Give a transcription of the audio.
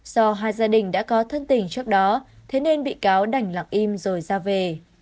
do hai gia đình đã có thân tình trước đó thế nên bị cáo đành lặng im rồi ra về